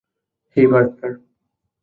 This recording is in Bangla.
হেই, পার্টনার!